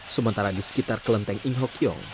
sementara di sekitar kelenteng ingho kiong